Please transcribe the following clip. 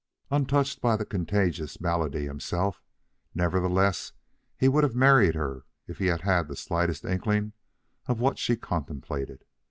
Untouched by the contagious malady himself, nevertheless he would have married her if he had had the slightest inkling of what she contemplated.